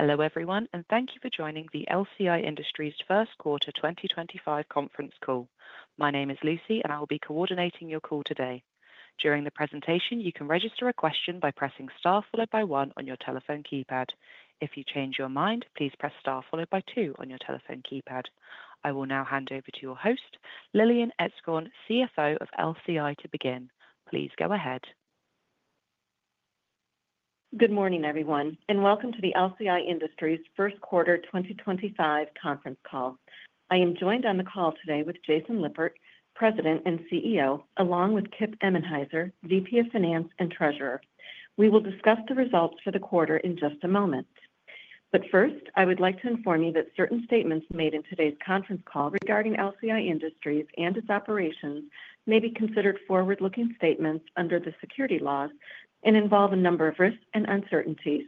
Hello everyone, and thank you for joining the LCI Industries' First Quarter 2025 conference call. My name is Lucy, and I will be coordinating your call today. During the presentation, you can register a question by pressing star followed by one on your telephone keypad. If you change your mind, please press star followed by two on your telephone keypad. I will now hand over to your host, Lillian Etzkorn, CFO of LCI, to begin. Please go ahead. Good morning, everyone, and welcome to the LCI Industries' First Quarter 2025 conference call. I am joined on the call today with Jason Lippert, President and CEO, along with Kip Eminhiser, VP of Finance and Treasurer. We will discuss the results for the quarter in just a moment. First, I would like to inform you that certain statements made in today's conference call regarding LCI Industries and its operations may be considered forward-looking statements under the security laws and involve a number of risks and uncertainties.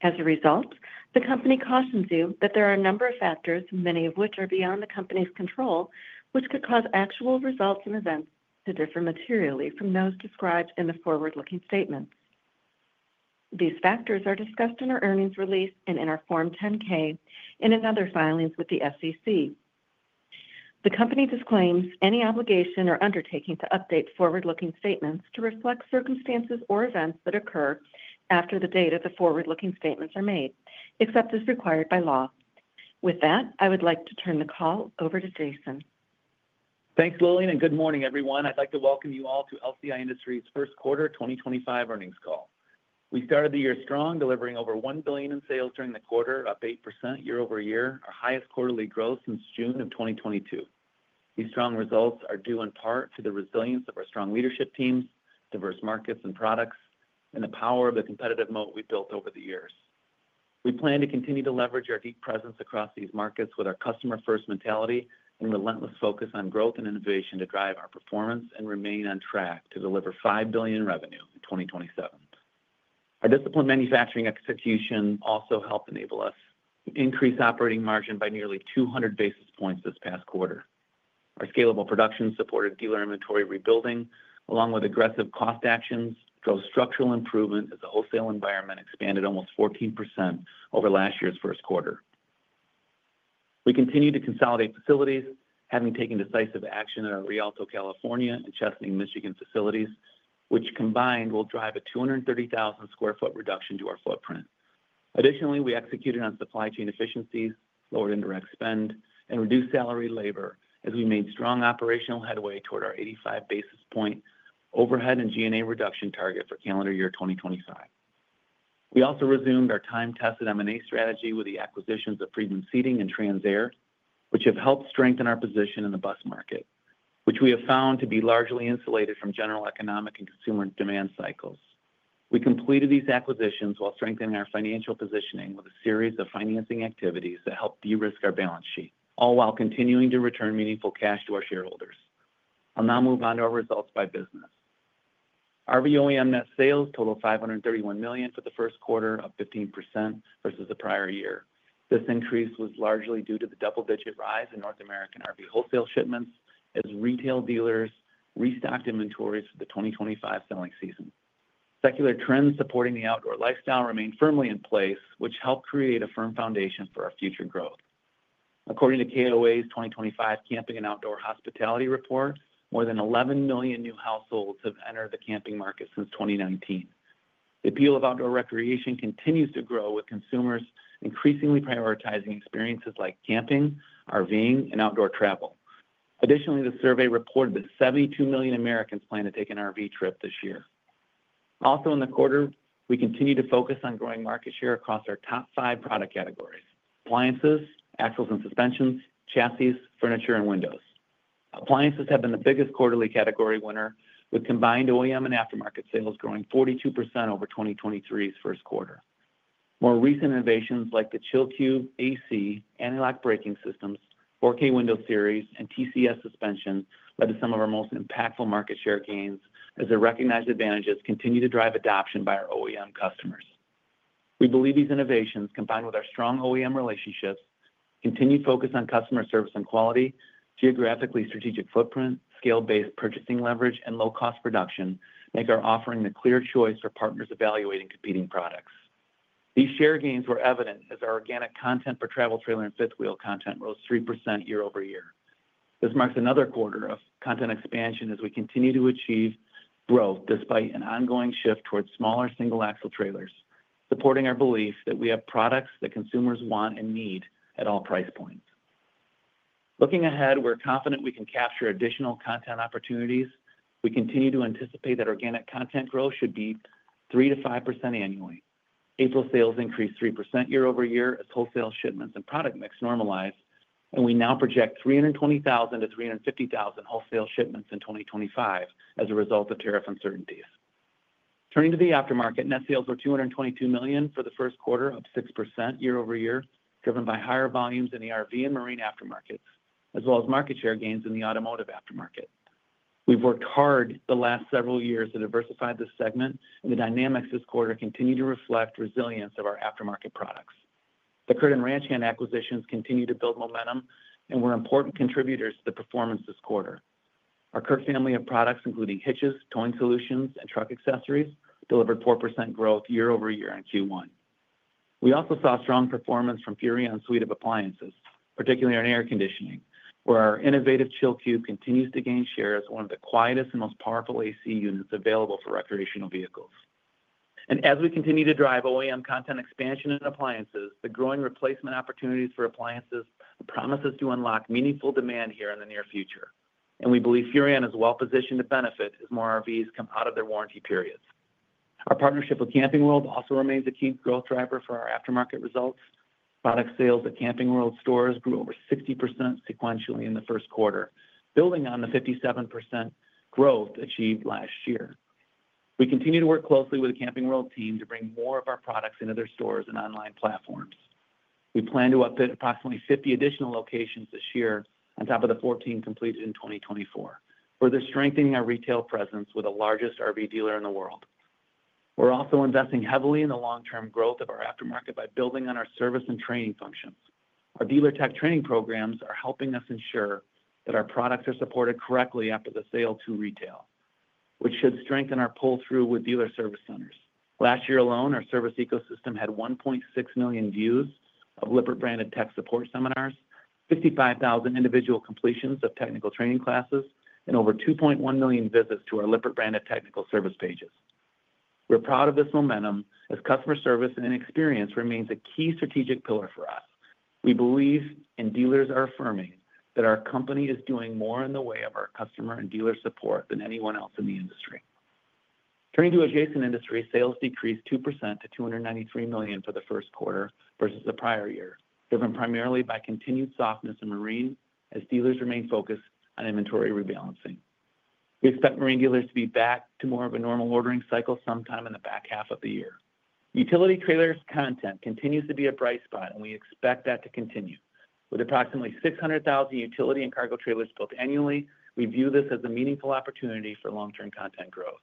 As a result, the company cautions you that there are a number of factors, many of which are beyond the company's control, which could cause actual results and events to differ materially from those described in the forward-looking statements. These factors are discussed in our earnings release and in our Form 10-K and in other filings with the SEC. The company disclaims any obligation or undertaking to update forward-looking statements to reflect circumstances or events that occur after the date the forward-looking statements are made, except as required by law. With that, I would like to turn the call over to Jason. Thanks, Lillian, and good morning, everyone. I'd like to welcome you all to LCI Industries' First Quarter 2025 earnings call. We started the year strong, delivering over $1 billion in sales during the quarter, up 8% year-over-year, our highest quarterly growth since June of 2022. These strong results are due in part to the resilience of our strong leadership teams, diverse markets and products, and the power of the competitive moat we've built over the years. We plan to continue to leverage our deep presence across these markets with our customer-first mentality and relentless focus on growth and innovation to drive our performance and remain on track to deliver $5 billion in revenue in 2027. Our disciplined manufacturing execution also helped enable us to increase operating margin by nearly 200 basis points this past quarter. Our scalable production supported dealer inventory rebuilding, along with aggressive cost actions, drove structural improvement as the wholesale environment expanded almost 14% over last year's first quarter. We continue to consolidate facilities, having taken decisive action at our Rialto, California and Chesapeake, Michigan facilities, which combined will drive a 230,000 sq ft reduction to our footprint. Additionally, we executed on supply chain efficiencies, lowered indirect spend, and reduced salary labor as we made strong operational headway toward our 85 basis point overhead and G&A reduction target for calendar year 2025. We also resumed our time-tested M&A strategy with the acquisitions of Freedman Seating and TransAir, which have helped strengthen our position in the bus market, which we have found to be largely insulated from general economic and consumer demand cycles. We completed these acquisitions while strengthening our financial positioning with a series of financing activities that helped de-risk our balance sheet, all while continuing to return meaningful cash to our shareholders. I'll now move on to our results by business. RVOEM net sales totaled $531 million for the first quarter, up 15% versus the prior year. This increase was largely due to the double-digit rise in North American RV wholesale shipments as retail dealers restocked inventories for the 2025 selling season. Secular trends supporting the outdoor lifestyle remain firmly in place, which helped create a firm foundation for our future growth. According to KOA's 2025 Camping and Outdoor Hospitality Report, more than 11 million new households have entered the camping market since 2019. The appeal of outdoor recreation continues to grow, with consumers increasingly prioritizing experiences like camping, RVing, and outdoor travel. Additionally, the survey reported that 72 million Americans plan to take an RV trip this year. Also, in the quarter, we continue to focus on growing market share across our top five product categories: appliances, axles and suspensions, chassis, furniture, and windows. Appliances have been the biggest quarterly category winner, with combined OEM and aftermarket sales growing 42% over 2023's first quarter. More recent innovations like the ChillQube AC, Anti-lock Braking Systems, 4K Window Series, and TCS Suspension led to some of our most impactful market share gains as their recognized advantages continue to drive adoption by our OEM customers. We believe these innovations, combined with our strong OEM relationships, continued focus on customer service and quality, geographically strategic footprint, scale-based purchasing leverage, and low-cost production, make our offering the clear choice for partners evaluating competing products. These share gains were evident as our organic content for travel trailer and fifth-wheel content rose 3% year over year. This marks another quarter of content expansion as we continue to achieve growth despite an ongoing shift toward smaller single-axle trailers, supporting our belief that we have products that consumers want and need at all price points. Looking ahead, we're confident we can capture additional content opportunities. We continue to anticipate that organic content growth should be 3 - 5% annually. April sales increased 3% year over year as wholesale shipments and product mix normalized, and we now project 320,000 - 350,000 wholesale shipments in 2025 as a result of tariff uncertainties. Turning to the aftermarket, net sales were $222 million for the first quarter, up 6% year over year, driven by higher volumes in the RV and marine aftermarkets, as well as market share gains in the automotive aftermarket. We've worked hard the last several years to diversify this segment, and the dynamics this quarter continue to reflect resilience of our aftermarket products. The Kurt and Ranch Hand acquisitions continue to build momentum and were important contributors to the performance this quarter. Our Kurt family of products, including hitches, towing solutions, and truck accessories, delivered 4% growth year over year in Q1. We also saw strong performance from our suite of appliances, particularly our air conditioning, where our innovative ChillQube continues to gain share as one of the quietest and most powerful AC units available for recreational vehicles. As we continue to drive OEM content expansion in appliances, the growing replacement opportunities for appliances promise us to unlock meaningful demand here in the near future, and we believe our business is well positioned to benefit as more RVs come out of their warranty periods. Our partnership with Camping World also remains a key growth driver for our aftermarket results. Product sales at Camping World stores grew over 60% sequentially in the first quarter, building on the 57% growth achieved last year. We continue to work closely with the Camping World team to bring more of our products into their stores and online platforms. We plan to update approximately 50 additional locations this year on top of the 14 completed in 2024, further strengthening our retail presence with the largest RV dealer in the world. We're also investing heavily in the long-term growth of our aftermarket by building on our service and training functions. Our dealer tech training programs are helping us ensure that our products are supported correctly after the sale to retail, which should strengthen our pull-through with dealer service centers. Last year alone, our service ecosystem had 1.6 million views of Lippert-branded tech support seminars, 55,000 individual completions of technical training classes, and over 2.1 million visits to our Lippert-branded technical service pages. We're proud of this momentum as customer service and experience remains a key strategic pillar for us. We believe and dealers are affirming that our company is doing more in the way of our customer and dealer support than anyone else in the industry. Turning to adjacent industries, sales decreased 2% to $293 million for the first quarter versus the prior year, driven primarily by continued softness in marine as dealers remain focused on inventory rebalancing. We expect marine dealers to be back to more of a normal ordering cycle sometime in the back half of the year. Utility trailers content continues to be a bright spot, and we expect that to continue. With approximately 600,000 utility and cargo trailers built annually, we view this as a meaningful opportunity for long-term content growth.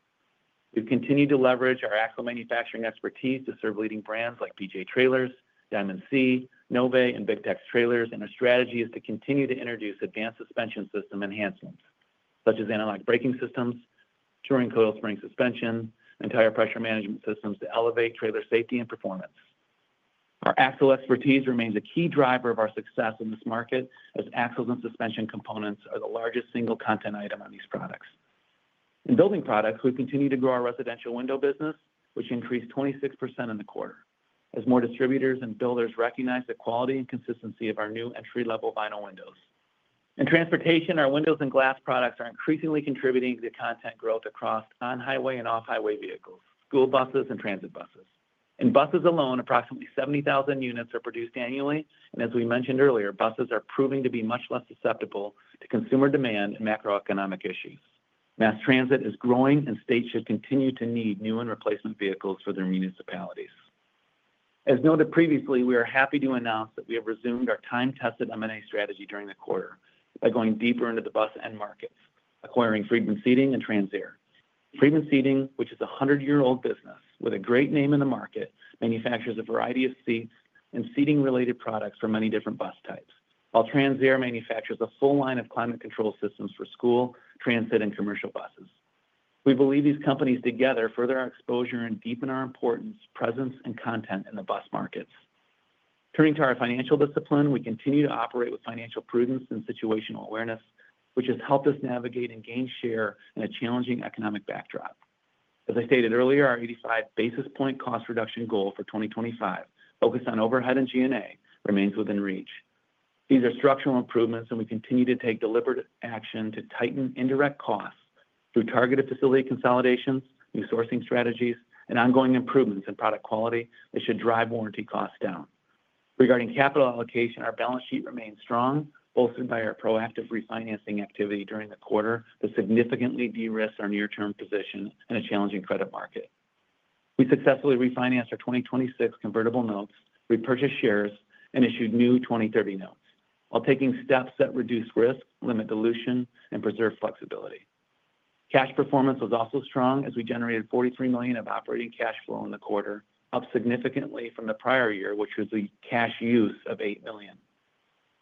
We've continued to leverage our axle manufacturing expertise to serve leading brands like BJ Trailers, Diamond C Trailers, Nova Trailers, and Big Tex Trailers, and our strategy is to continue to introduce advanced suspension system enhancements, such as anti-lock brakes, TCS Suspension, and tire pressure management systems to elevate trailer safety and performance. Our axle expertise remains a key driver of our success in this market as axles and suspension components are the largest single content item on these products. In building products, we continue to grow our residential window business, which increased 26% in the quarter, as more distributors and builders recognize the quality and consistency of our new entry-level vinyl windows. In transportation, our windows and glass products are increasingly contributing to content growth across on-highway and off-highway vehicles, school buses, and transit buses. In buses alone, approximately 70,000 units are produced annually, and as we mentioned earlier, buses are proving to be much less susceptible to consumer demand and macroeconomic issues. Mass transit is growing, and states should continue to need new and replacement vehicles for their municipalities. As noted previously, we are happy to announce that we have resumed our time-tested M&A strategy during the quarter by going deeper into the bus end markets, acquiring Freedman Seating and TransAir. Freedman Seating, which is a 100-year-old business with a great name in the market, manufactures a variety of seats and seating-related products for many different bus types, while TransAir manufactures a full line of climate control systems for school, transit, and commercial buses. We believe these companies together further our exposure and deepen our importance, presence, and content in the bus markets. Turning to our financial discipline, we continue to operate with financial prudence and situational awareness, which has helped us navigate and gain share in a challenging economic backdrop. As I stated earlier, our 85 basis point cost reduction goal for 2025, focused on overhead and G&A, remains within reach. These are structural improvements, and we continue to take deliberate action to tighten indirect costs through targeted facility consolidations, new sourcing strategies, and ongoing improvements in product quality that should drive warranty costs down. Regarding capital allocation, our balance sheet remains strong, bolstered by our proactive refinancing activity during the quarter to significantly de-risk our near-term position in a challenging credit market. We successfully refinanced our 2026 convertible notes, repurchased shares, and issued new 2030 notes, while taking steps that reduce risk, limit dilution, and preserve flexibility. Cash performance was also strong as we generated $43 million of operating cash flow in the quarter, up significantly from the prior year, which was the cash use of $8 million.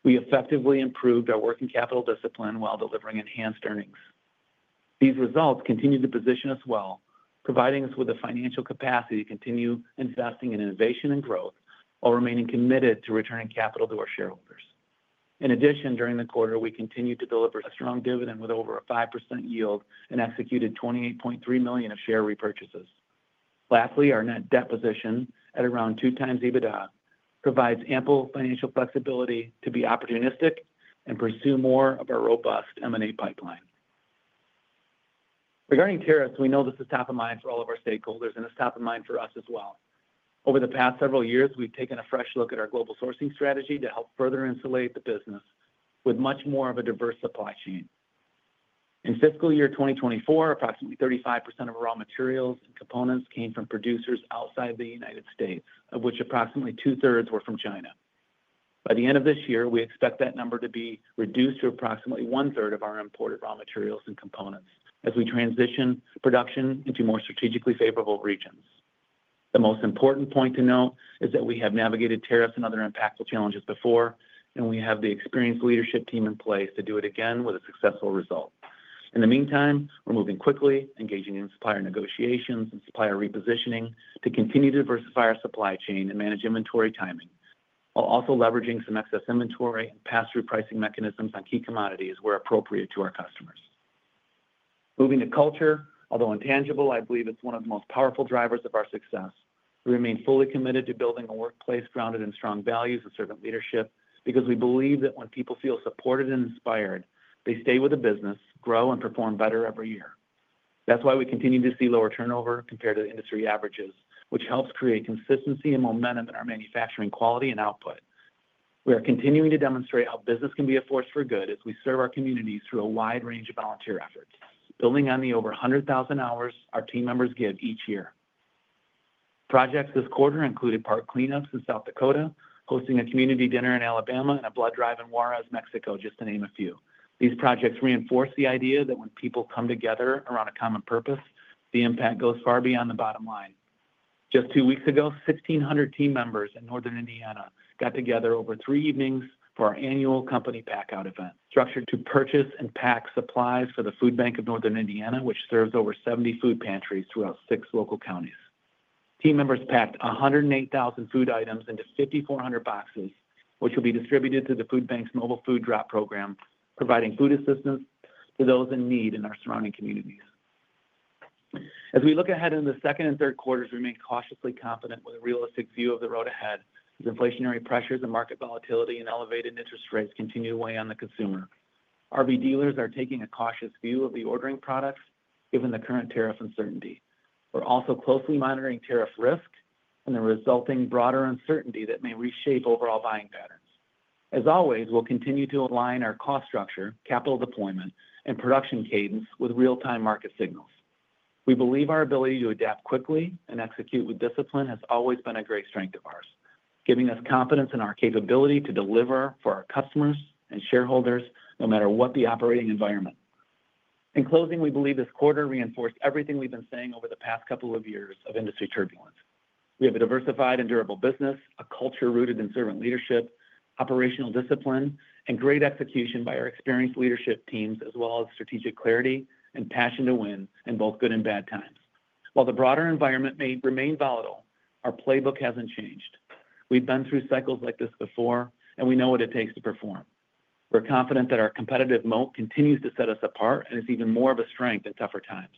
We effectively improved our working capital discipline while delivering enhanced earnings. These results continue to position us well, providing us with the financial capacity to continue investing in innovation and growth while remaining committed to returning capital to our shareholders. In addition, during the quarter, we continued to deliver a strong dividend with over a 5% yield and executed $28.3 million of share repurchases. Lastly, our net debt position at around 2 times EBITDA provides ample financial flexibility to be opportunistic and pursue more of our robust M&A pipeline. Regarding tariffs, we know this is top of mind for all of our stakeholders, and it's top of mind for us as well. Over the past several years, we've taken a fresh look at our global sourcing strategy to help further insulate the business with much more of a diverse supply chain. In fiscal year 2024, approximately 35% of raw materials and components came from producers outside the U.S., of which approximately two-thirds were from China. By the end of this year, we expect that number to be reduced to approximately one-third of our imported raw materials and components as we transition production into more strategically favorable regions. The most important point to note is that we have navigated tariffs and other impactful challenges before, and we have the experienced leadership team in place to do it again with a successful result. In the meantime, we're moving quickly, engaging in supplier negotiations and supplier repositioning to continue to diversify our supply chain and manage inventory timing, while also leveraging some excess inventory and pass-through pricing mechanisms on key commodities where appropriate to our customers. Moving to culture, although intangible, I believe it's one of the most powerful drivers of our success. We remain fully committed to building a workplace grounded in strong values and servant leadership because we believe that when people feel supported and inspired, they stay with the business, grow, and perform better every year. That's why we continue to see lower turnover compared to industry averages, which helps create consistency and momentum in our manufacturing quality and output. We are continuing to demonstrate how business can be a force for good as we serve our communities through a wide range of volunteer efforts, building on the over 100,000 hours our team members give each year. Projects this quarter included park cleanups in South Dakota, hosting a community dinner in Alabama, and a blood drive in Juarez, Mexico, just to name a few. These projects reinforce the idea that when people come together around a common purpose, the impact goes far beyond the bottom line. Just two weeks ago, 1,600 team members in Northern Indiana got together over three evenings for our annual company pack-out event, structured to purchase and pack supplies for the Food Bank of Northern Indiana, which serves over 70 food pantries throughout six local counties. Team members packed 108,000 food items into 5,400 boxes, which will be distributed to the Food Bank's mobile food drop program, providing food assistance to those in need in our surrounding communities. As we look ahead into the second and third quarters, we remain cautiously confident with a realistic view of the road ahead as inflationary pressures and market volatility and elevated interest rates continue to weigh on the consumer. RV dealers are taking a cautious view of the ordering products, given the current tariff uncertainty. We're also closely monitoring tariff risk and the resulting broader uncertainty that may reshape overall buying patterns. As always, we'll continue to align our cost structure, capital deployment, and production cadence with real-time market signals. We believe our ability to adapt quickly and execute with discipline has always been a great strength of ours, giving us confidence in our capability to deliver for our customers and shareholders no matter what the operating environment. In closing, we believe this quarter reinforced everything we've been saying over the past couple of years of industry turbulence. We have a diversified and durable business, a culture rooted in servant leadership, operational discipline, and great execution by our experienced leadership teams, as well as strategic clarity and passion to win in both good and bad times. While the broader environment may remain volatile, our playbook hasn't changed. We've been through cycles like this before, and we know what it takes to perform. We're confident that our competitive moat continues to set us apart and is even more of a strength in tougher times.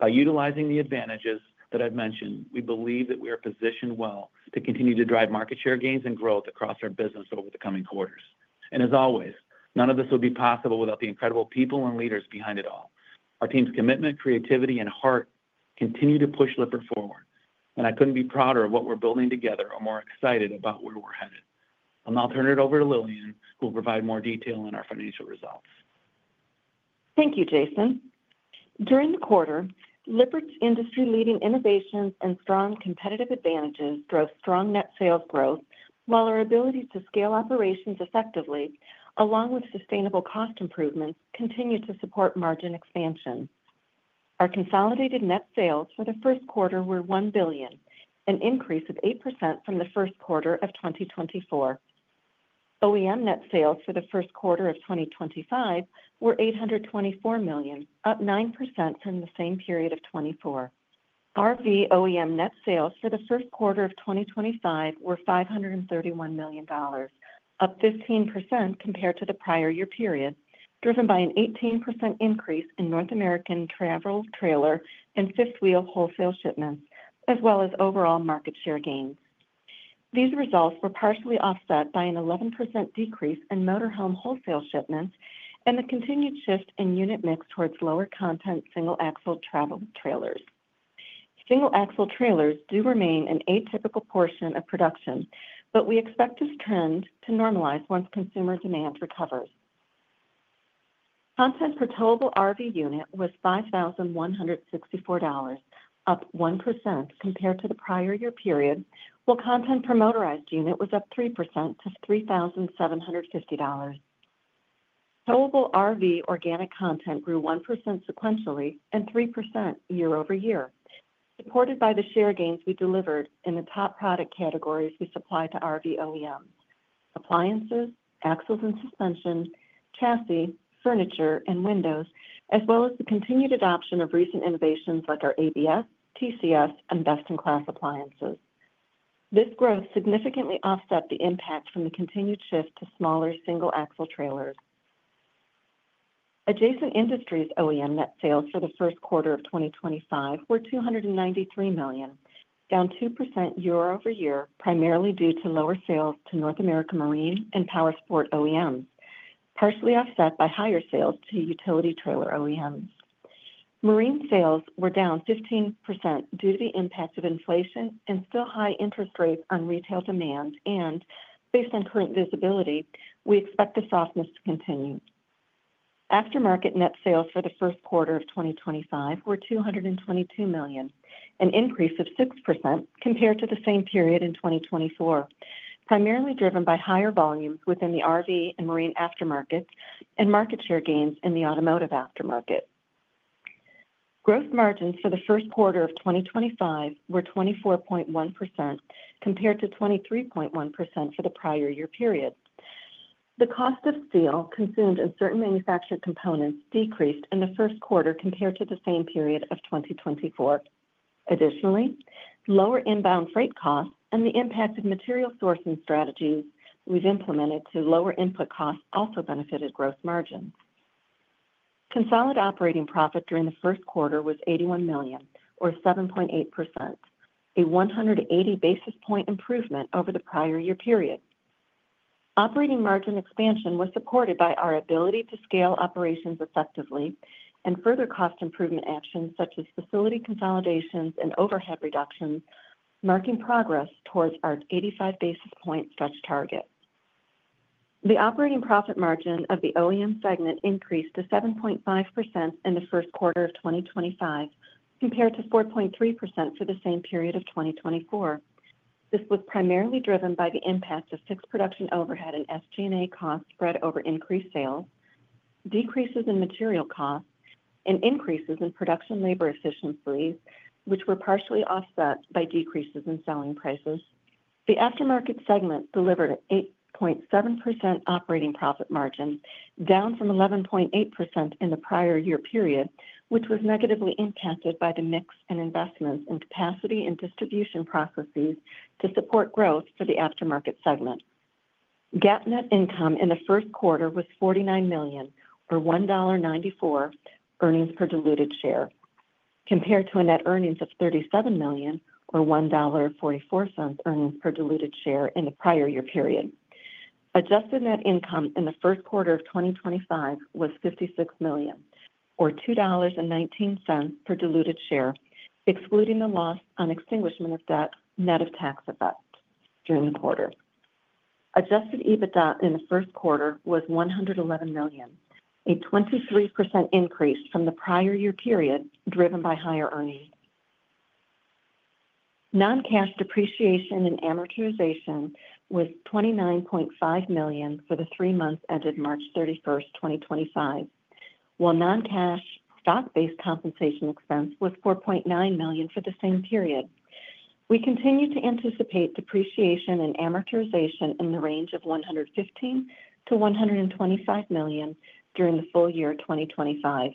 By utilizing the advantages that I've mentioned, we believe that we are positioned well to continue to drive market share gains and growth across our business over the coming quarters. As always, none of this would be possible without the incredible people and leaders behind it all. Our team's commitment, creativity, and heart continue to push Lippert forward, and I couldn't be prouder of what we're building together or more excited about where we're headed. I'll now turn it over to Lillian, who will provide more detail on our financial results. Thank you, Jason. During the quarter, Lippert's industry-leading innovations and strong competitive advantages drove strong net sales growth, while our ability to scale operations effectively, along with sustainable cost improvements, continued to support margin expansion. Our consolidated net sales for the first quarter were $1 billion, an increase of 8% from the first quarter of 2024. OEM net sales for the first quarter of 2025 were $824 million, up 9% from the same period of 2024. RV OEM net sales for the first quarter of 2025 were $531 million, up 15% compared to the prior year period, driven by an 18% increase in North American travel trailer and fifth-wheel wholesale shipments, as well as overall market share gains. These results were partially offset by an 11% decrease in motorhome wholesale shipments and the continued shift in unit mix towards lower-content single-axle travel trailers. Single-axle trailers do remain an atypical portion of production, but we expect this trend to normalize once consumer demand recovers. Content per towable RV unit was $5,164, up 1% compared to the prior year period, while content per motorized unit was up 3% to $3,750. Towable RV organic content grew 1% sequentially and 3% year over year, supported by the share gains we delivered in the top product categories we supplied to RV OEMs: appliances, axles and suspensions, chassis, furniture, and windows, as well as the continued adoption of recent innovations like our ABS, TCS, and best-in-class appliances. This growth significantly offset the impact from the continued shift to smaller single-axle trailers. Adjacent Industries OEM net sales for the first quarter of 2025 were $293 million, down 2% year over year, primarily due to lower sales to North America marine and power sport OEMs, partially offset by higher sales to utility trailer OEMs. Marine sales were down 15% due to the impact of inflation and still high interest rates on retail demand, and based on current visibility, we expect the softness to continue. Aftermarket net sales for the first quarter of 2025 were $222 million, an increase of 6% compared to the same period in 2024, primarily driven by higher volumes within the RV and marine aftermarkets and market share gains in the automotive aftermarket. Gross margins for the first quarter of 2025 were 24.1% compared to 23.1% for the prior year period. The cost of steel consumed in certain manufactured components decreased in the first quarter compared to the same period of 2024. Additionally, lower inbound freight costs and the impact of material sourcing strategies we've implemented to lower input costs also benefited gross margins. Consolidated operating profit during the first quarter was $81 million, or 7.8%, a 180 basis point improvement over the prior year period. Operating margin expansion was supported by our ability to scale operations effectively and further cost improvement actions such as facility consolidations and overhead reductions, marking progress towards our 85 basis point stretch target. The operating profit margin of the OEM segment increased to 7.5% in the first quarter of 2025 compared to 4.3% for the same period of 2024. This was primarily driven by the impact of fixed production overhead and SG&A costs spread over increased sales, decreases in material costs, and increases in production labor efficiencies, which were partially offset by decreases in selling prices. The aftermarket segment delivered an 8.7% operating profit margin, down from 11.8% in the prior year period, which was negatively impacted by the mix and investments in capacity and distribution processes to support growth for the aftermarket segment. Gap net income in the first quarter was $49 million, or $1.94 earnings per diluted share, compared to a net earnings of $37 million, or $1.44 earnings per diluted share in the prior year period. Adjusted net income in the first quarter of 2025 was $56 million, or $2.19 per diluted share, excluding the loss on extinguishment of debt net of tax effect during the quarter. Adjusted EBITDA in the first quarter was $111 million, a 23% increase from the prior year period driven by higher earnings. Non-cash depreciation and amortization was $29.5 million for the three months ended March 31, 2025, while non-cash stock-based compensation expense was $4.9 million for the same period. We continue to anticipate depreciation and amortization in the range of $115-$125 million during the full year of 2025.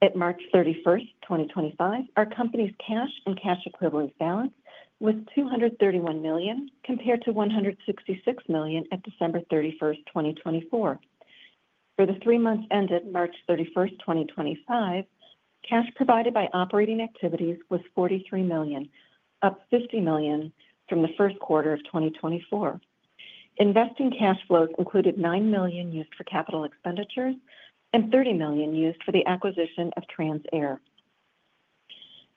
At March 31, 2025, our company's cash and cash equivalent balance was $231 million, compared to $166 million at December 31, 2024. For the three months ended March 31, 2025, cash provided by operating activities was $43 million, up $50 million from the first quarter of 2024. Investing cash flows included $9 million used for capital expenditures and $30 million used for the acquisition of TransAir.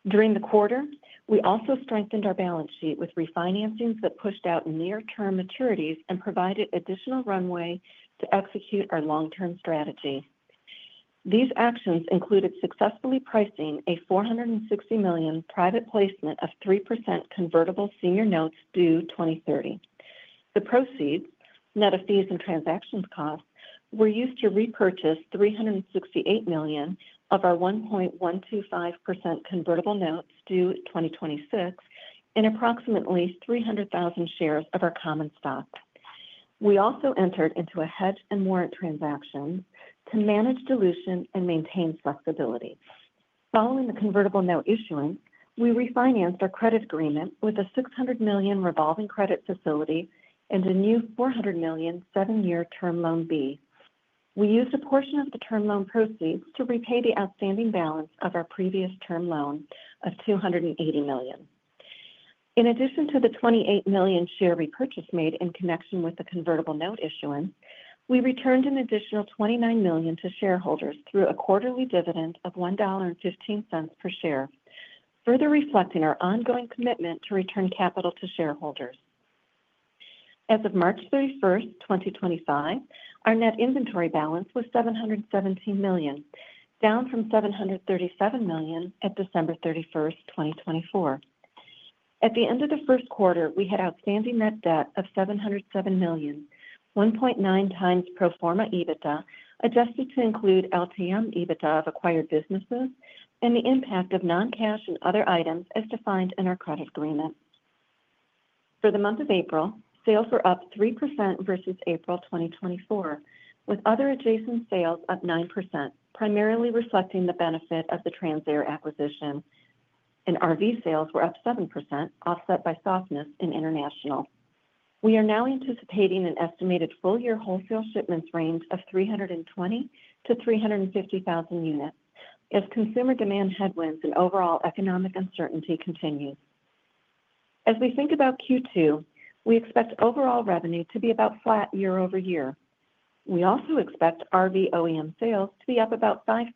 During the quarter, we also strengthened our balance sheet with refinancings that pushed out near-term maturities and provided additional runway to execute our long-term strategy. These actions included successfully pricing a $460 million private placement of 3% convertible senior notes due 2030. The proceeds, net of fees and transaction costs, were used to repurchase $368 million of our 1.125% convertible notes due 2026 and approximately 300,000 shares of our common stock. We also entered into a hedge and warrant transaction to manage dilution and maintain flexibility. Following the convertible note issuance, we refinanced our credit agreement with a $600 million revolving credit facility and a new $400 million seven-year term loan B. We used a portion of the term loan proceeds to repay the outstanding balance of our previous term loan of $280 million. In addition to the $28 million share repurchase made in connection with the convertible note issuance, we returned an additional $29 million to shareholders through a quarterly dividend of $1.15 per share, further reflecting our ongoing commitment to return capital to shareholders. As of March 31, 2025, our net inventory balance was $717 million, down from $737 million at December 31, 2024. At the end of the first quarter, we had outstanding net debt of $707 million, 1.9 times pro forma EBITDA, adjusted to include LTM EBITDA of acquired businesses and the impact of non-cash and other items as defined in our credit agreement. For the month of April, sales were up 3% versus April 2024, with other adjacent sales up 9%, primarily reflecting the benefit of the TransAir acquisition. RV sales were up 7%, offset by softness in international. We are now anticipating an estimated full-year wholesale shipments range of 320,000-350,000 units if consumer demand headwinds and overall economic uncertainty continue. As we think about Q2, we expect overall revenue to be about flat year over year. We also expect RV OEM sales to be up about 5%,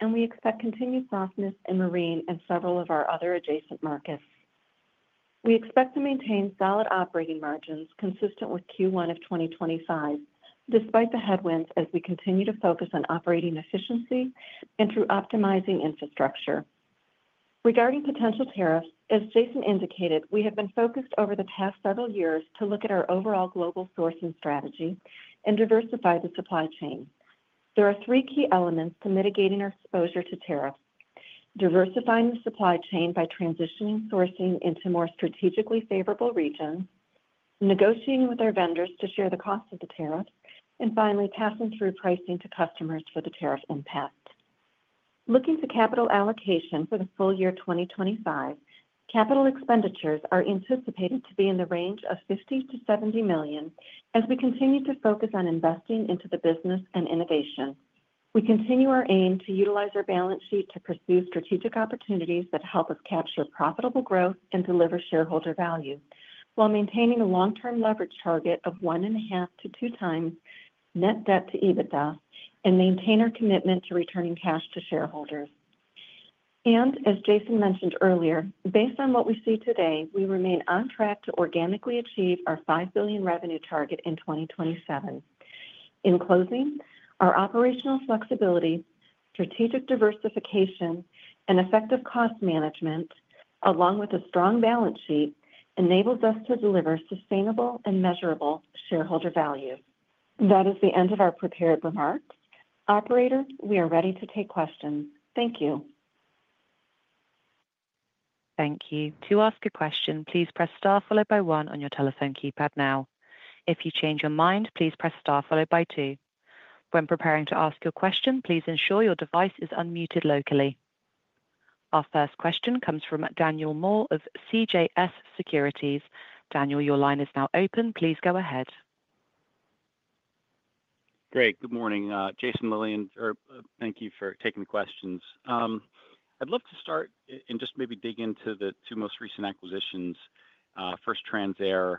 and we expect continued softness in marine and several of our other adjacent markets. We expect to maintain solid operating margins consistent with Q1 of 2025, despite the headwinds as we continue to focus on operating efficiency and through optimizing infrastructure. Regarding potential tariffs, as Jason indicated, we have been focused over the past several years to look at our overall global sourcing strategy and diversify the supply chain. There are three key elements to mitigating our exposure to tariffs: diversifying the supply chain by transitioning sourcing into more strategically favorable regions, negotiating with our vendors to share the cost of the tariffs, and finally, passing through pricing to customers for the tariff impact. Looking to capital allocation for the full year 2025, capital expenditures are anticipated to be in the range of $50-$70 million as we continue to focus on investing into the business and innovation. We continue our aim to utilize our balance sheet to pursue strategic opportunities that help us capture profitable growth and deliver shareholder value, while maintaining a long-term leverage target of one and a half to two times net debt to EBITDA and maintain our commitment to returning cash to shareholders. As Jason mentioned earlier, based on what we see today, we remain on track to organically achieve our $5 billion revenue target in 2027. In closing, our operational flexibility, strategic diversification, and effective cost management, along with a strong balance sheet, enables us to deliver sustainable and measurable shareholder value. That is the end of our prepared remarks. Operators, we are ready to take questions. Thank you. To ask a question, please press star followed by one on your telephone keypad now. If you change your mind, please press star followed by two. When preparing to ask your question, please ensure your device is unmuted locally. Our first question comes from Daniel Moore of CJS Securities. Daniel, your line is now open. Please go ahead. Great. Good morning. Jason, Lillian, thank you for taking the questions. I'd love to start and just maybe dig into the two most recent acquisitions, first TransAir.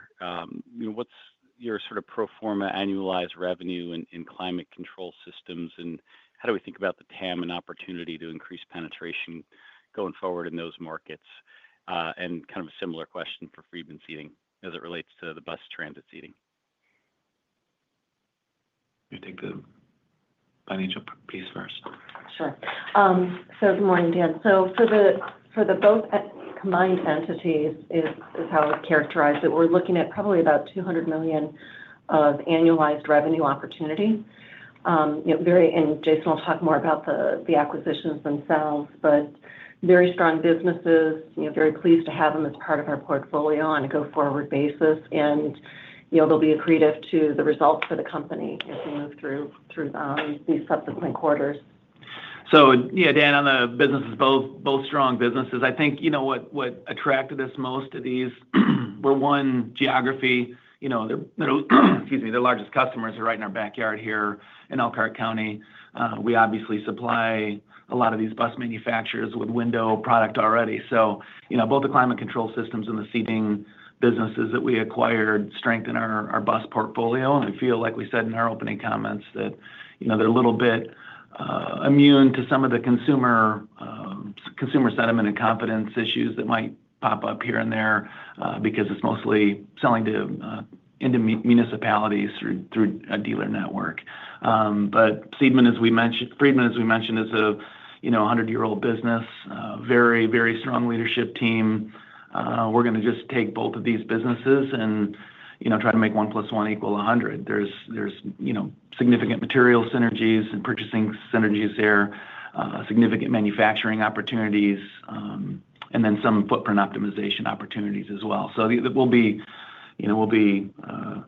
What's your sort of pro forma annualized revenue in climate control systems, and how do we think about the TAM and opportunity to increase penetration going forward in those markets? And kind of a similar question for Freedman Seating as it relates to the bus transit seating. You take the financial piece first. Sure. So good morning, Dan. So for the both combined entities is how I would characterize it. We're looking at probably about $200 million of annualized revenue opportunity. Jason will talk more about the acquisitions themselves, but very strong businesses, very pleased to have them as part of our portfolio on a go forward basis. They'll be accretive to the results for the company as we move through these subsequent quarters. Yeah, Dan, on the businesses, both strong businesses. I think what attracted us most to these were, one, geography. Excuse me, their largest customers are right in our backyard here in Elkhart County. We obviously supply a lot of these bus manufacturers with window product already. Both the climate control systems and the seating businesses that we acquired strengthen our bus portfolio. I feel, like we said in our opening comments, that they're a little bit immune to some of the consumer sentiment and confidence issues that might pop up here and there because it's mostly selling to municipalities through a dealer network. But Freedman, as we mentioned, is a 100-year-old business, very, very strong leadership team. We're going to just take both of these businesses and try to make one plus one equal 100. There's significant material synergies and purchasing synergies there, significant manufacturing opportunities, and then some footprint optimization opportunities as well. We'll be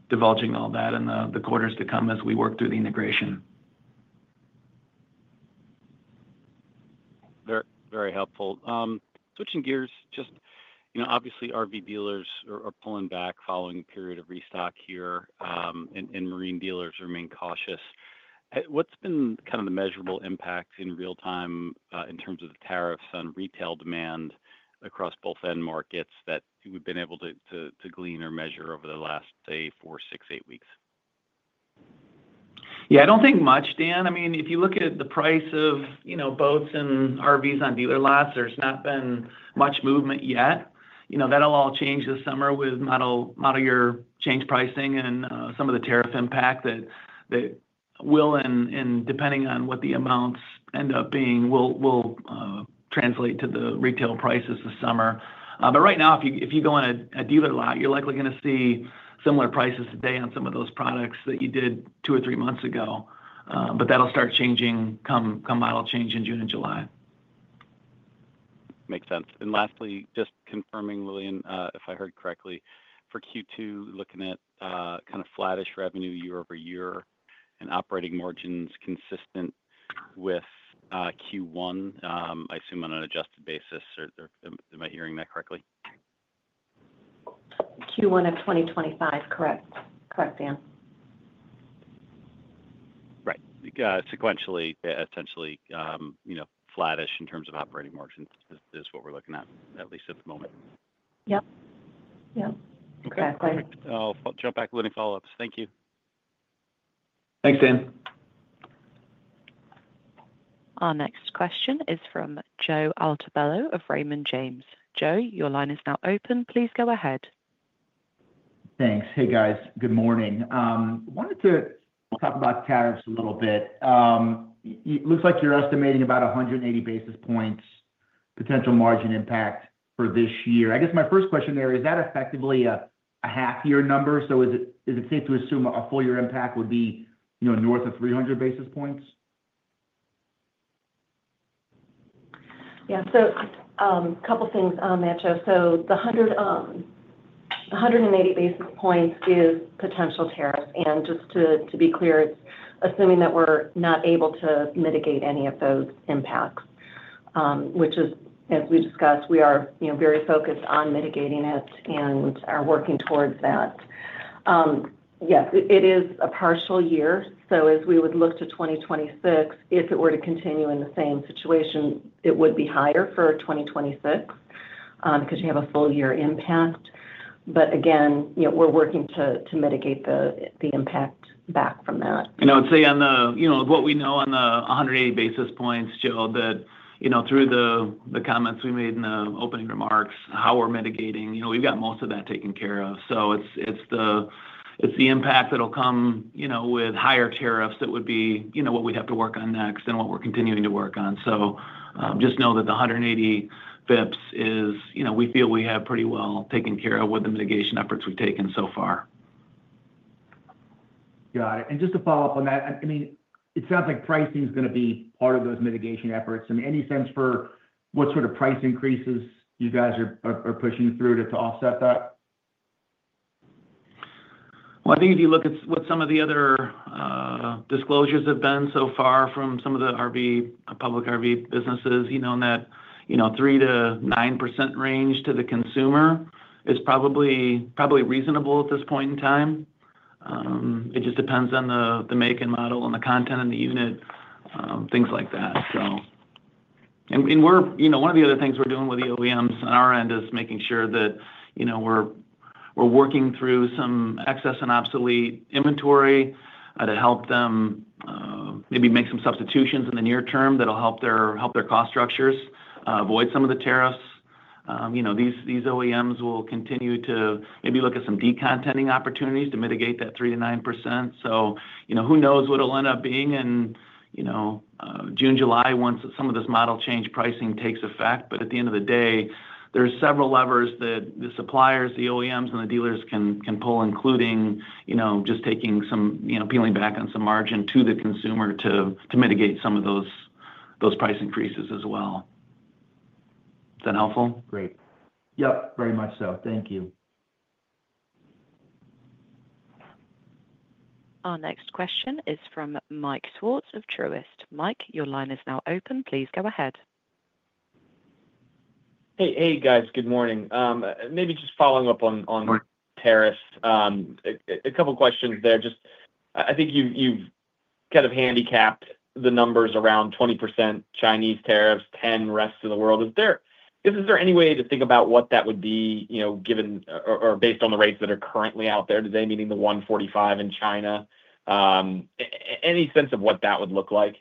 divulging all that in the quarters to come as we work through the integration. Very helpful. Switching gears, just obviously, RV dealers are pulling back following a period of restock here, and marine dealers remain cautious. What's been kind of the measurable impact in real time in terms of the tariffs on retail demand across both end markets that we've been able to glean or measure over the last, say, four, six, eight weeks? Yeah, I don't think much, Dan. I mean, if you look at the price of boats and RVs on dealer lots, there's not been much movement yet. That'll all change this summer with model year change pricing and some of the tariff impact that will, and depending on what the amounts end up being, will translate to the retail prices this summer. Right now, if you go on a dealer lot, you're likely going to see similar prices today on some of those products that you did two or three months ago. That'll start changing come model change in June and July. Makes sense. Lastly, just confirming, Lillian, if I heard correctly, for Q2, looking at kind of flattish revenue year over year and operating margins consistent with Q1, I assume on an adjusted basis. Am I hearing that correctly? Q1 of 2025, correct. Correct, Dan. Right. Sequentially, essentially flattish in terms of operating margins is what we are looking at, at least at the moment. Yep. Yep. Exactly. Okay. Perfect. I will jump back to Lillian for follow-ups. Thank you. Thanks, Dan. Our next question is from Joe Altobello of Raymond James. Joe, your line is now open. Please go ahead. Thanks. Hey, guys. Good morning. Wanted to talk about tariffs a little bit. It looks like you are estimating about 180 basis points potential margin impact for this year. I guess my first question there, is that effectively a half-year number? Is it safe to assume a full-year impact would be north of 300 basis points? Yeah. A couple of things on that, Joe. The 180 basis points is potential tariffs. Just to be clear, assuming that we're not able to mitigate any of those impacts, which is, as we discussed, we are very focused on mitigating it and are working towards that. Yes, it is a partial year. As we would look to 2026, if it were to continue in the same situation, it would be higher for 2026 because you have a full-year impact. Again, we're working to mitigate the impact back from that. I would say on what we know on the 180 basis points, Joe, that through the comments we made in the opening remarks, how we're mitigating, we've got most of that taken care of. It is the impact that will come with higher tariffs that would be what we would have to work on next and what we are continuing to work on. Just know that the 180 FIPS is, we feel, we have pretty well taken care of with the mitigation efforts we have taken so far. Got it. Just to follow up on that, I mean, it sounds like pricing is going to be part of those mitigation efforts. I mean, any sense for what sort of price increases you guys are pushing through to offset that? I think if you look at what some of the other disclosures have been so far from some of the public RV businesses, you know that 3% - 9% range to the consumer is probably reasonable at this point in time. It just depends on the make and model and the content and the unit, things like that, so. One of the other things we're doing with the OEMs on our end is making sure that we're working through some excess and obsolete inventory to help them maybe make some substitutions in the near term that'll help their cost structures avoid some of the tariffs. These OEMs will continue to maybe look at some decontenting opportunities to mitigate that 3% - 9%. Who knows what it'll end up being in June, July, once some of this model change pricing takes effect. At the end of the day, there are several levers that the suppliers, the OEMs, and the dealers can pull, including just taking some peeling back on some margin to the consumer to mitigate some of those price increases as well. Is that helpful? Great. Yep. Very much so. Thank you. Our next question is from Mike Swartz of Truist. Mike, your line is now open. Please go ahead. Hey, guys. Good morning. Maybe just following up on tariffs. A couple of questions there. Just I think you've kind of handicapped the numbers around 20% Chinese tariffs, 10% rest of the world. Is there any way to think about what that would be given or based on the rates that are currently out there today, meaning the 145% in China? Any sense of what that would look like?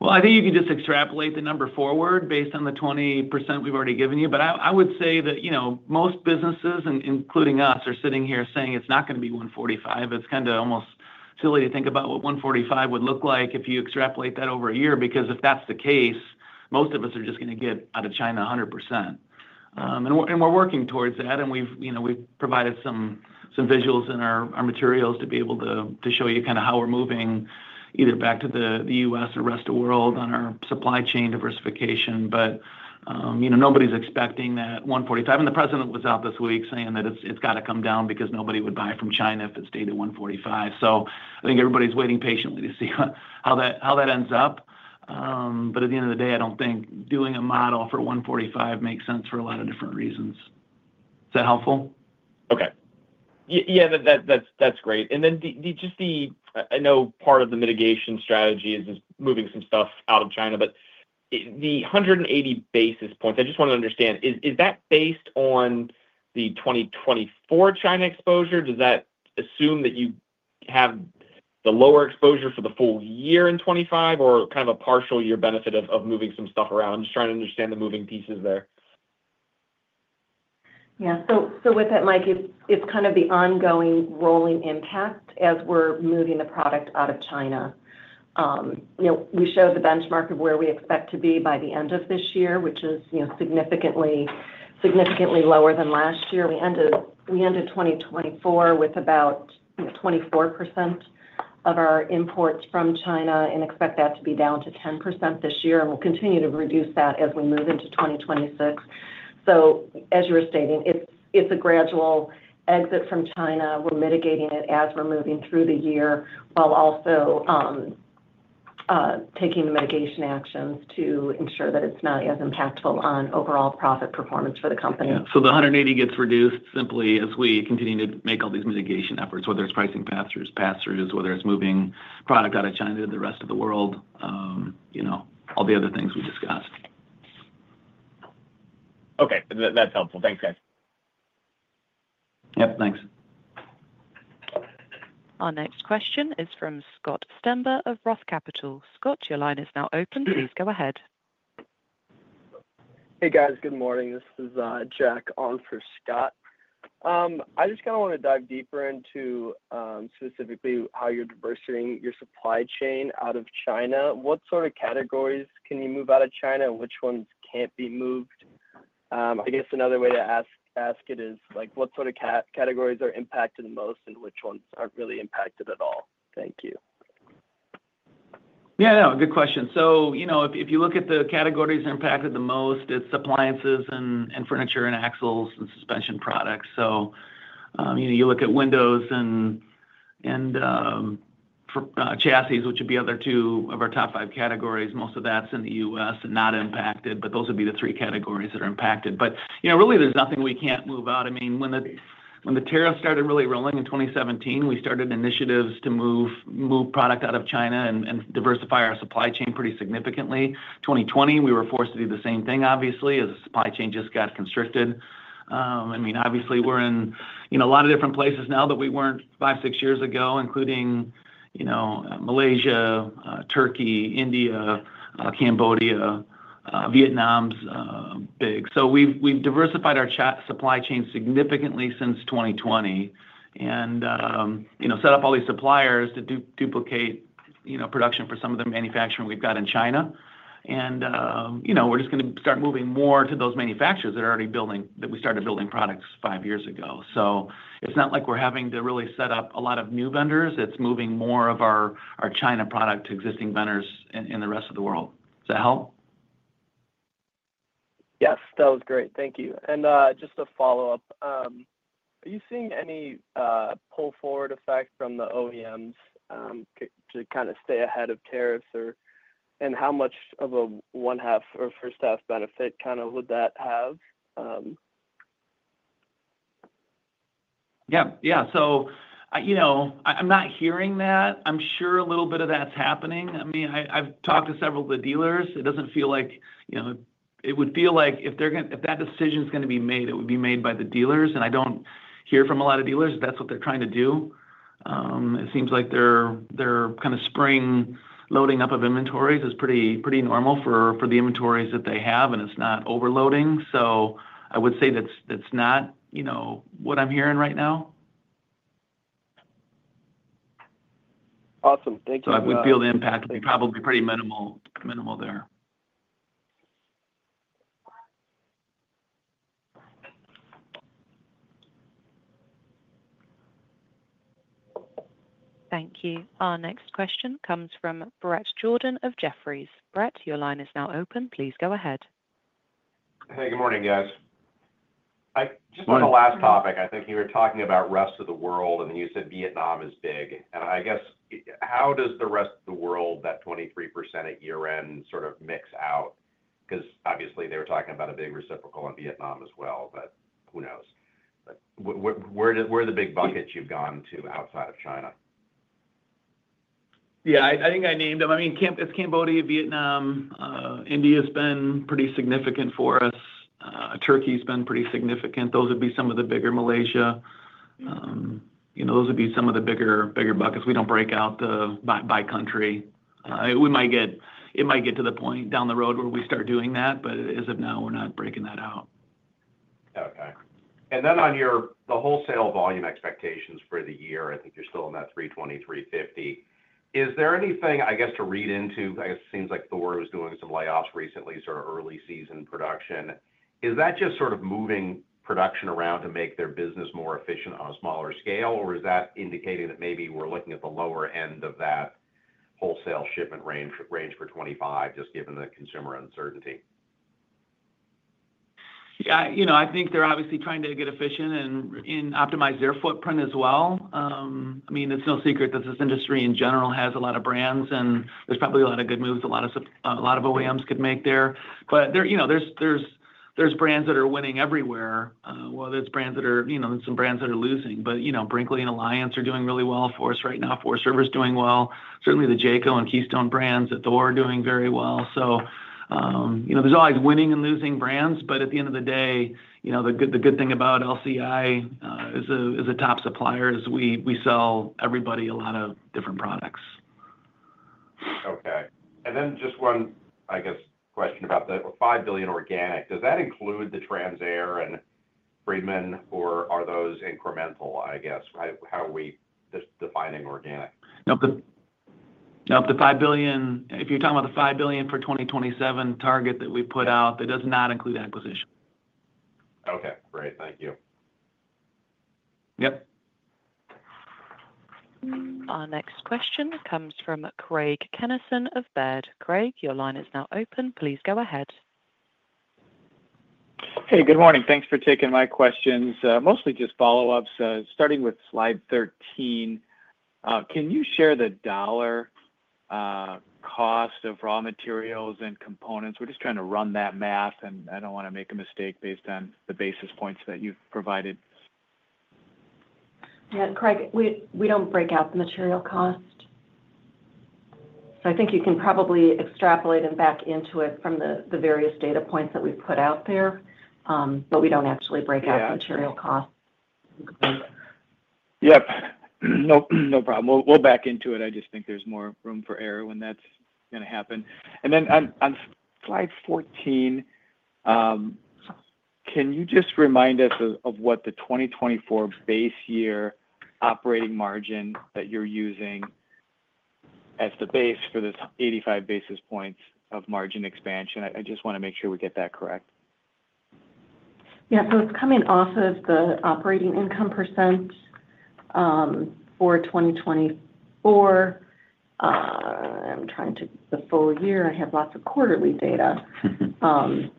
I think you can just extrapolate the number forward based on the 20% we've already given you. I would say that most businesses, including us, are sitting here saying it's not going to be 145%. It's kind of almost silly to think about what 145 would look like if you extrapolate that over a year because if that's the case, most of us are just going to get out of China 100%. We're working towards that. We've provided some visuals in our materials to be able to show you kind of how we're moving either back to the U.S. or rest of the world on our supply chain diversification. Nobody's expecting that 145. The president was out this week saying that it's got to come down because nobody would buy from China if it stayed at 145. I think everybody's waiting patiently to see how that ends up. At the end of the day, I don't think doing a model for 145 makes sense for a lot of different reasons. Is that helpful? Okay. Yeah, that's great. I know part of the mitigation strategy is moving some stuff out of China. The 180 basis points, I just want to understand, is that based on the 2024 China exposure? Does that assume that you have the lower exposure for the full year in 2025 or kind of a partial year benefit of moving some stuff around? Just trying to understand the moving pieces there. Yeah. With that, Mike, it is kind of the ongoing rolling impact as we are moving the product out of China. We showed the benchmark of where we expect to be by the end of this year, which is significantly lower than last year. We ended 2024 with about 24% of our imports from China and expect that to be down to 10% this year. We will continue to reduce that as we move into 2026. So, As you were stating, it's a gradual exit from China. We're mitigating it as we're moving through the year while also taking the mitigation actions to ensure that it's not as impactful on overall profit performance for the company. Yeah. The 180 gets reduced simply as we continue to make all these mitigation efforts, whether it's pricing pass-throughs, whether it's moving product out of China to the rest of the world, all the other things we discussed. Okay. That's helpful. Thanks, guys. Yep. Thanks. Our next question is from Scott Stember of Roth Capital. Scott, your line is now open. Please go ahead. Hey, guys. Good morning. This is Jack on for Scott. I just kind of want to dive deeper into specifically how you're diversifying your supply chain out of China. What sort of categories can you move out of China and which ones can't be moved? I guess another way to ask it is what sort of categories are impacted the most and which ones are not really impacted at all? Thank you. Yeah. No, good question. If you look at the categories that are impacted the most, it is appliances and furniture and axles and suspension products. You look at windows and chassis, which would be other two of our top five categories. Most of that is in the U.S. and not impacted. Those would be the three categories that are impacted. There is nothing we cannot move out. I mean, when the tariffs started really rolling in 2017, we started initiatives to move product out of China and diversify our supply chain pretty significantly. In 2020, we were forced to do the same thing, obviously, as the supply chain just got constricted. I mean, obviously, we're in a lot of different places now that we weren't five, six years ago, including Malaysia, Turkey, India, Cambodia, Vietnam's big. So we've diversified our supply chain significantly since 2020 and set up all these suppliers to duplicate production for some of the manufacturing we've got in China. We're just going to start moving more to those manufacturers that are already building that we started building products five years ago. It's not like we're having to really set up a lot of new vendors. It's moving more of our China product to existing vendors in the rest of the world. Does that help? Yes. That was great. Thank you. Just to follow up, are you seeing any pull-forward effect from the OEMs to kind of stay ahead of tariffs? How much of a one-half or first-half benefit kind of would that have? Yeah. Yeah. I'm not hearing that. I'm sure a little bit of that's happening. I mean, I've talked to several of the dealers. It doesn't feel like it would feel like if that decision is going to be made, it would be made by the dealers. I don't hear from a lot of dealers if that's what they're trying to do. It seems like their kind of spring loading up of inventories is pretty normal for the inventories that they have, and it's not overloading. I would say that's not what I'm hearing right now. Awesome. Thank you for that. I would feel the impact would be probably pretty minimal there. Thank you. Our next question comes from Bret Jordan of Jefferies. Bret, your line is now open. Please go ahead. Hey, good morning, guys. Just on the last topic, I think you were talking about rest of the world, and then you said Vietnam is big. I guess how does the rest of the world, that 23% at year-end, sort of mix out? Because obviously, they were talking about a big reciprocal in Vietnam as well, but who knows? Where are the big buckets you've gone to outside of China? Yeah. I think I named them. I mean, it's Cambodia, Vietnam, India's been pretty significant for us. Turkey's been pretty significant. Those would be some of the bigger Malaysia. Those would be some of the bigger buckets. We do not break out by country. It might get to the point down the road where we start doing that, but as of now, we are not breaking that out. Okay. On the wholesale volume expectations for the year, I think you're still in that 320-350. Is there anything, I guess, to read into? It seems like Thor was doing some layoffs recently, so early season production. Is that just sort of moving production around to make their business more efficient on a smaller scale, or is that indicating that maybe we're looking at the lower end of that wholesale shipment range for 2025, just given the consumer uncertainty? Yeah. I think they're obviously trying to get efficient and optimize their footprint as well. I mean, it's no secret that this industry in general has a lot of brands, and there's probably a lot of good moves a lot of OEMs could make there. There are brands that are winning everywhere, whether it's brands that are some brands that are losing. Brinkley and Alliance are doing really well for us right now. Forest River's doing well. Certainly, the Jayco and Keystone brands that Thor are doing very well. There's always winning and losing brands. At the end of the day, the good thing about LCI as a top supplier is we sell everybody a lot of different products. Okay. Just one, I guess, question about the $5 billion organic. Does that include the Trans/Air and Freedman, or are those incremental, I guess? How are we defining organic? Nope. Nope. If you're talking about the $5 billion for 2027 target that we put out, that does not include acquisition. Okay. Great. Thank you. Yep. Our next question comes from Craig Kennison of Baird. Craig, your line is now open. Please go ahead. Hey, good morning. Thanks for taking my questions. Mostly just follow-ups. Starting with slide 13, can you share the dollar cost of raw materials and components? We're just trying to run that math, and I don't want to make a mistake based on the basis points that you've provided. Yeah. Craig, we don't break out the material cost. So I think you can probably extrapolate and back into it from the various data points that we've put out there, but we don't actually break out the material cost. Yep. No problem. We'll back into it. I just think there's more room for error when that's going to happen. And then on slide 14, can you just remind us of what the 2024 base year operating margin that you're using as the base for this 85 basis points of margin expansion? I just want to make sure we get that correct. Yeah. It's coming off of the operating income percent for 2024. I'm trying to the full year. I have lots of quarterly data. I mean,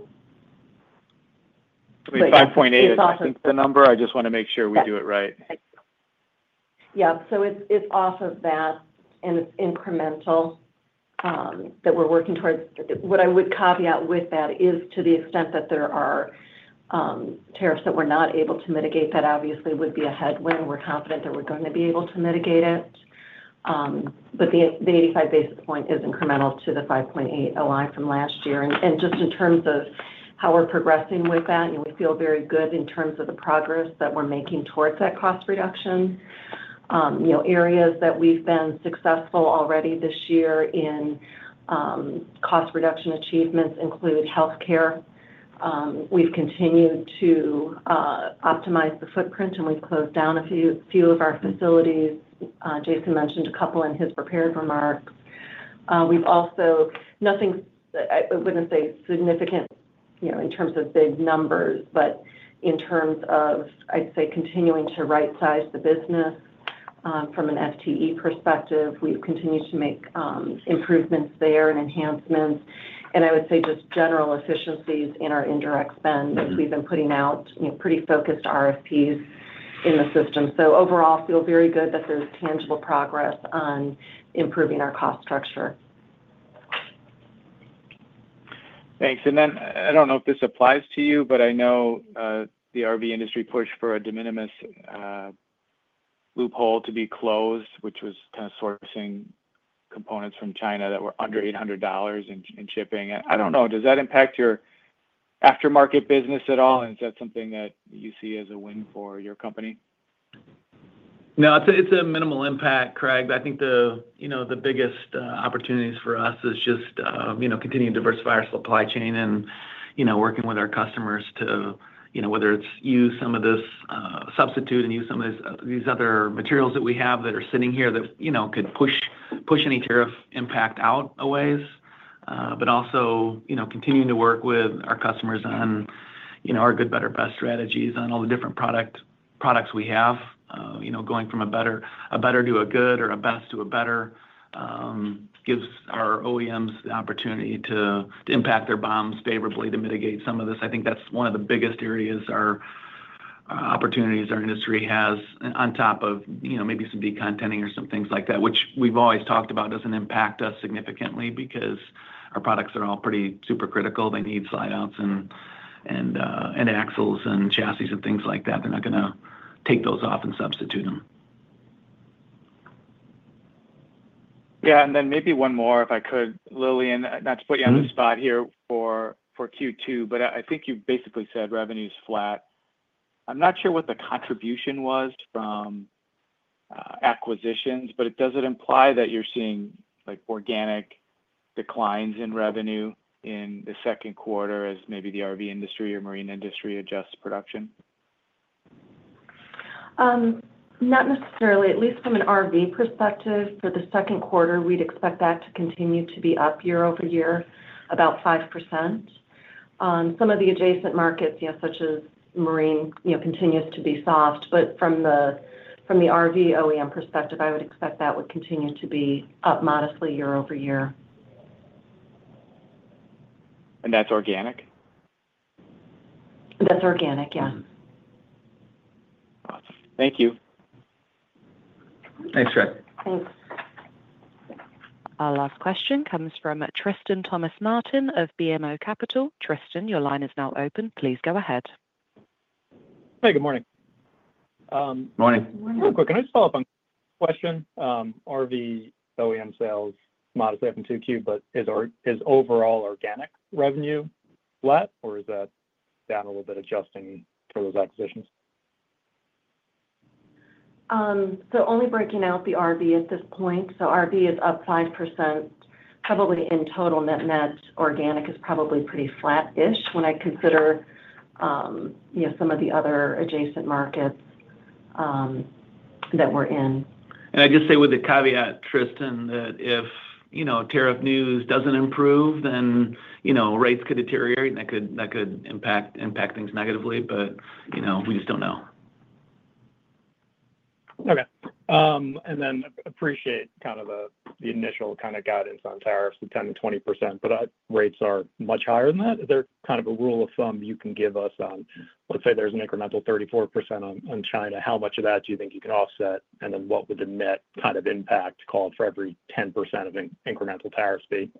5.8 is the number. I just want to make sure we do it right. Yeah. It's off of that, and it's incremental that we're working towards. What I would caveat with that is to the extent that there are tariffs that we're not able to mitigate, that obviously would be a headwind. We're confident that we're going to be able to mitigate it. The 85 basis point is incremental to the 5.8 aligned from last year. Just in terms of how we're progressing with that, we feel very good in terms of the progress that we're making towards that cost reduction. Areas that we've been successful already this year in cost reduction achievements include healthcare. We've continued to optimize the footprint, and we've closed down a few of our facilities. Jason mentioned a couple in his prepared remarks. Nothing I would not say significant in terms of big numbers, but in terms of, I would say, continuing to right-size the business from an FTE perspective. We've continued to make improvements there and enhancements. I would say just general efficiencies in our indirect spend. We've been putting out pretty focused RFPs in the system. Overall, I feel very good that there is tangible progress on improving our cost structure. Thanks. I do not know if this applies to you, but I know the RV industry pushed for a de minimis loophole to be closed, which was kind of sourcing components from China that were under $800 in shipping. I do not know. Does that impact your aftermarket business at all? Is that something that you see as a win for your company? No. It's a minimal impact, Craig. I think the biggest opportunities for us is just continuing to diversify our supply chain and working with our customers to whether it's use some of this substitute and use some of these other materials that we have that are sitting here that could push any tariff impact out a ways. Also, continuing to work with our customers on our good, better, best strategies on all the different products we have. Going from a better to a good or a best to a better gives our OEMs the opportunity to impact their BOMs favorably to mitigate some of this. I think that's one of the biggest areas or opportunities our industry has on top of maybe some decontenting or some things like that, which we've always talked about doesn't impact us significantly because our products are all pretty super critical. They need slide-outs and axles and chassis and things like that. They're not going to take those off and substitute them. Yeah. Maybe one more, if I could, Lillian, not to put you on the spot here for Q2, but I think you basically said revenue is flat. I'm not sure what the contribution was from acquisitions, but does it imply that you're seeing organic declines in revenue in the second quarter as maybe the RV industry or marine industry adjusts production? Not necessarily. At least from an RV perspective, for the second quarter, we'd expect that to continue to be up year-over-year, about 5%. Some of the adjacent markets, such as marine, continues to be soft. From the RV OEM perspective, I would expect that would continue to be up modestly year-over-year. And that's organic? That is organic, yes. Awesome. Thank you. Thanks, Craig. Our last question comes from Tristan Thomas-Martin of BMO Capital. Tristan, your line is now open. Please go ahead. Hey, good morning. Good morning. Real quick, can I just follow up on a question? RV OEM sales modestly up in Q2, but is overall organic revenue flat, or is that down a little bit adjusting for those acquisitions? Only breaking out the RV at this point. RV is up 5%. Probably in total, net-net organic is probably pretty flat-ish when I consider some of the other adjacent markets that we are in. I just say with the caveat, Tristan, that if tariff news does not improve, then rates could deteriorate, and that could impact things negatively. We just do not know. Okay. I appreciate kind of the initial guidance on tariffs, the 10% - 20%. Rates are much higher than that. Is there kind of a rule of thumb you can give us on, let's say there is an incremental 34% on China, how much of that do you think you can offset? What would the net impact call for every 10% of incremental tariffs be?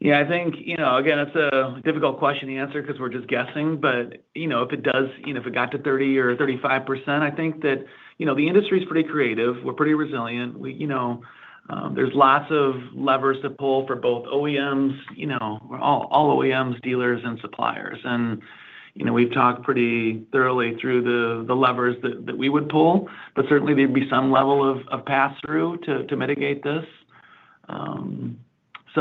Yeah. I think, again, it is a difficult question to answer because we are just guessing. If it does, if it got to 30% - 35%, I think that the industry is pretty creative. We are pretty resilient. There's lots of levers to pull for both OEMs—all OEMs, dealers, and suppliers. We have talked pretty thoroughly through the levers that we would pull, but certainly, there would be some level of pass-through to mitigate this.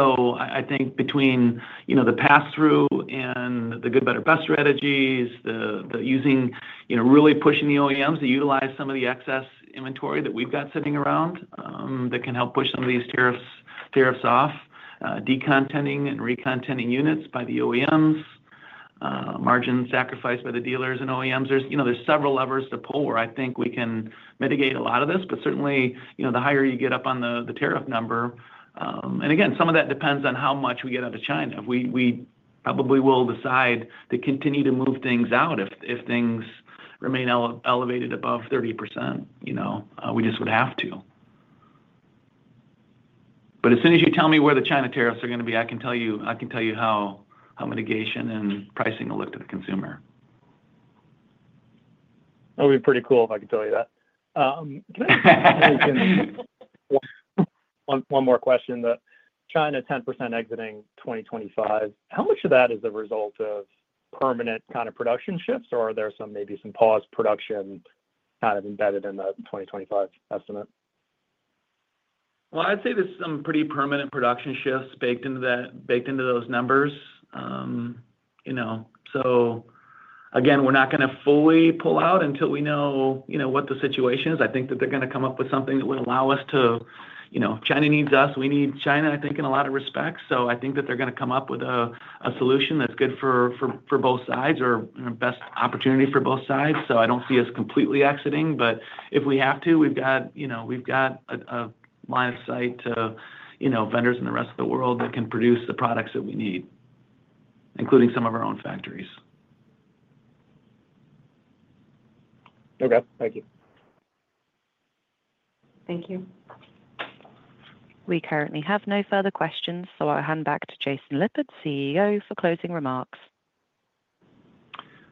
I think between the pass-through and the good, better, best strategies, really pushing the OEMs to utilize some of the excess inventory that we have got sitting around that can help push some of these tariffs off, decontenting and recontenting units by the OEMs, margin sacrifice by the dealers and OEMs. There are several levers to pull where I think we can mitigate a lot of this. Certainly, the higher you get up on the tariff number—and again, some of that depends on how much we get out of China—we probably will decide to continue to move things out if things remain elevated above 30%. We just would have to. But as soon as you tell me where the China tariffs are going to be, I can tell you how mitigation and pricing will look to the consumer. That would be pretty cool if I could tell you that. One more question. China 10% exiting 2025. How much of that is a result of permanent kind of production shifts, or are there maybe some pause production kind of embedded in the 2025 estimate? I would say there are some pretty permanent production shifts baked into those numbers. Again, we are not going to fully pull out until we know what the situation is. I think that they are going to come up with something that would allow us to—China needs us. We need China, I think, in a lot of respects. I think that they're going to come up with a solution that's good for both sides or best opportunity for both sides. I don't see us completely exiting. If we have to, we've got a line of sight to vendors in the rest of the world that can produce the products that we need, including some of our own factories. Okay. Thank you. Thank you. We currently have no further questions, so I'll hand back to Jason Lippert, CEO, for closing remarks.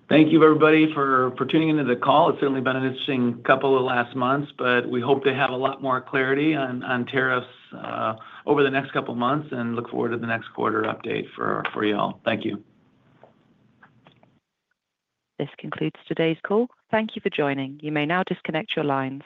Thank you, everybody, for tuning into the call. It's certainly been an interesting couple of last months, but we hope to have a lot more clarity on tariffs over the next couple of months and look forward to the next quarter update for you all. Thank you. This concludes today's call. Thank you for joining. You may now disconnect your lines.